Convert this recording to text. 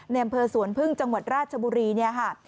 อำเภอสวนพึ่งจังหวัดราชบุรีเนี่ยค่ะ